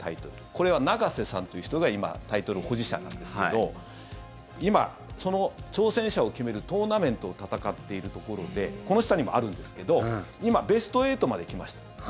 これは永瀬さんという人が今、タイトル保持者なんですけど今その挑戦者を決めるトーナメントを戦ってるところでこの下にもあるんですけど今ベスト８まで来ました。